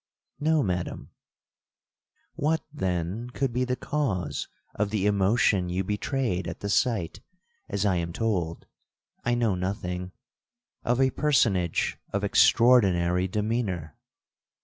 '—'No, Madam,'—'What, then, could be the cause of the emotion you betrayed at the sight, as I am told—I know nothing—of a personage of extraordinary demeanour?'